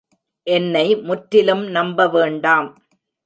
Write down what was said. என்னை முற்றிலும் நம்பவேண்டாம்!